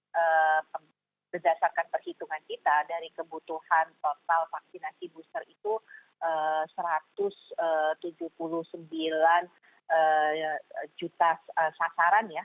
karena berdasarkan perhitungan kita dari kebutuhan total vaksinasi booster itu satu ratus tujuh puluh sembilan juta sasaran ya